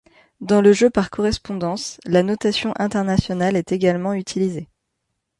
Dans le jeu par correspondance, la notation internationale est également utilisée.